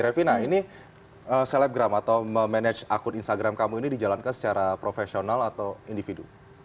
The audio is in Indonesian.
revina ini selebgram atau memanage akun instagram kamu ini dijalankan secara profesional atau individu